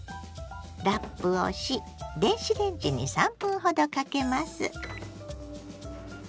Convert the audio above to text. ラップをし電子レンジに３分ほどかけます。